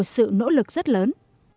sự nỗ lực rất lớn